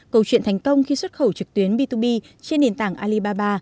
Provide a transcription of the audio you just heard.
câu chuyện thành công khi xuất khẩu trực tuyến b hai b trên nền tảng alibaba